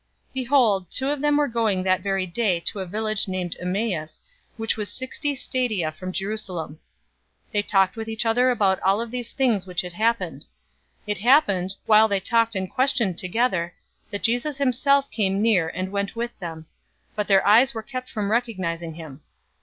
024:013 Behold, two of them were going that very day to a village named Emmaus, which was sixty stadia{60 stadia = about 11 kilometers or about 7 miles.} from Jerusalem. 024:014 They talked with each other about all of these things which had happened. 024:015 It happened, while they talked and questioned together, that Jesus himself came near, and went with them. 024:016 But their eyes were kept from recognizing him.